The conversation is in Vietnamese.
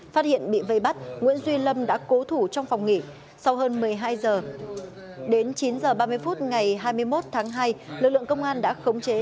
phát hiện bị vây bắt nguyễn duy lâm đã cố thủ trong phòng nghỉ sau hơn một mươi hai h đến chín h ba mươi phút ngày hai mươi một tháng hai lực lượng công an đã khống chế